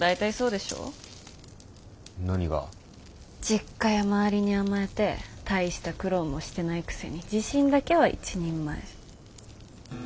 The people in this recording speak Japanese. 実家や周りに甘えて大した苦労もしてないくせに自信だけは一人前。